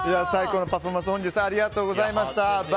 最高のパフォーマンスを本日はありがとうございました。